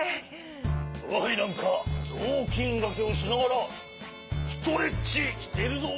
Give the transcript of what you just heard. わがはいなんかぞうきんがけをしながらストレッチしているぞ。